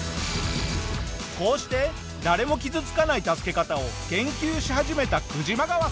こうして誰も傷つかない助け方を研究し始めたクジマガワさん。